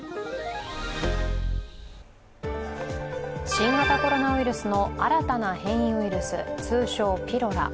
新型コロナウイルスの新たな変異ウイルス通称ピロラ。